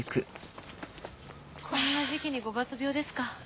こんな時期に五月病ですか。